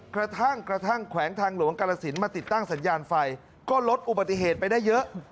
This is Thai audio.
กระทั่งกระทั่งแขวงทางหลวงกาลสินมาติดตั้งสัญญาณไฟก็ลดอุบัติเหตุไปได้เยอะ